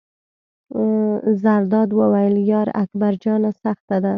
زرداد وویل: یار اکبر جانه سخته ده.